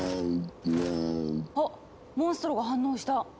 あっモンストロが反応した。